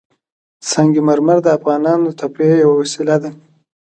سنگ مرمر د افغانانو د تفریح یوه وسیله ده.